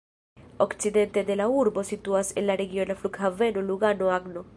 Okcidente de la urbo situas la regiona Flughaveno Lugano-Agno.